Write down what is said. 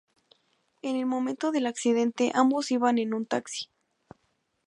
En el momento del accidente, ambos iban en un taxi.